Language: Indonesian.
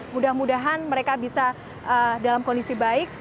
mudah mudahan mereka bisa dalam kondisi baik